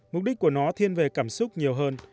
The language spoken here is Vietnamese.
mục đích của nó thiên về cảm xúc nhiều hơn